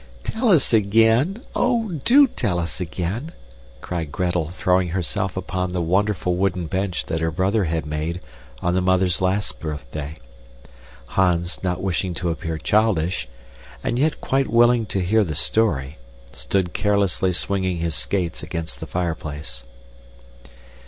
"Tell us again! Oh, DO tell us again!" cried Gretel, throwing herself upon the wonderful wooden bench that her brother had made on the mother's last birthday. Hans, not wishing to appear childish, and yet quite willing to hear the story, stood carelessly swinging his skates against the fireplace.